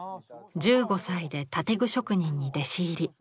１５歳で建具職人に弟子入り。